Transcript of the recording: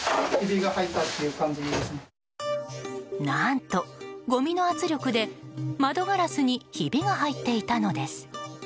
何と、ごみの圧力で窓ガラスにひびが入っていたのです。